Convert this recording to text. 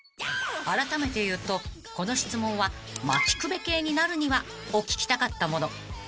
［あらためて言うとこの質問は「薪くべ系になるには？」を聞きたかったもの］